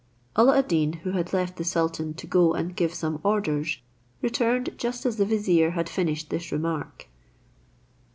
Alla ad Deen, who had left the sultan to go and give some orders, returned just as the vizier had finished his remark.